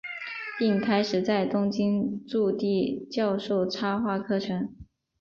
并开始在东京筑地教授插画课程。